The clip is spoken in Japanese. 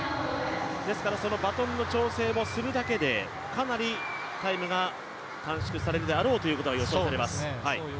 ですから、そのバトンの調整をするだけでかなりタイムが短縮されるであろうということが予想されます。